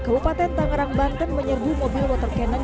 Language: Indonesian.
kabupaten tangerang banten menyerbu mobil water cannon